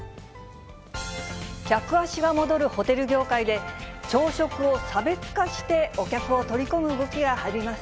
客足が戻るホテル業界で、朝食を差別化してお客を取り込む動きがあります。